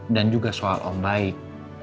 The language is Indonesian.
dan juga soal om baik